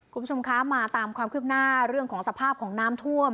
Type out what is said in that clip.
คุณผู้ชมคะมาตามความคืบหน้าเรื่องของสภาพของน้ำท่วม